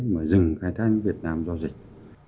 mà dừng khai thác việt nam do dịch